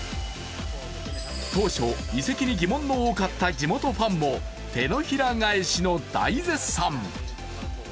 当初、移籍に疑問の声も多かった地元のファンも手のひら返しの大絶賛。